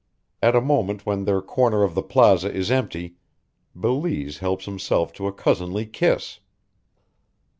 At a moment when their corner of the plaza is empty Belize helps himself to a cousinly kiss.